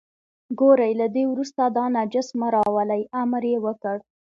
ګورئ له دې وروسته دا نجس مه راولئ، امر یې وکړ.